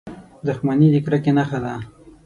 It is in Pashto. • دښمني د کرکې نښه ده.